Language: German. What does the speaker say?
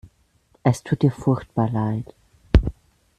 Es tut ihr furchtbar leid.